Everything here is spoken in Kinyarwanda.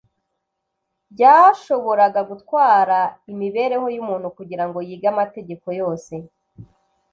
Byashoboraga gutwara imibereho y'umuntu kugira ngo yige amategeko yose.